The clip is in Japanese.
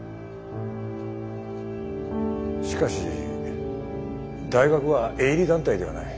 しかし大学は営利団体ではない。